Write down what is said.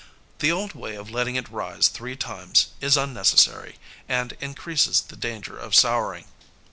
The old way of letting it rise three times is unnecessary, and increases the danger of souring.